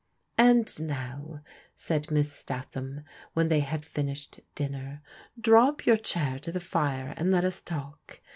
"And now," said Miss Statham, when they had iGnished dinner, " draw up your chair to the fire and let us talk.